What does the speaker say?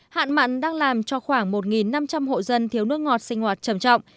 hạn mặn đang làm cho khoảng một năm trăm linh hộ dân thiếu nước ngọt sinh hoạt trầm trọng